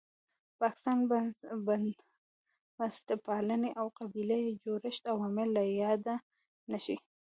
پاکستان، بنسټپالنې او قبیله یي جوړښت عوامل له یاده نه شي.